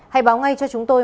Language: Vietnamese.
hãy báo ngay cho chúng tôi